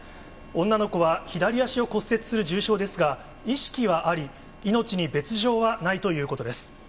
女の子は左足を骨折する重傷ですが、意識はあり、命に別状はないということです。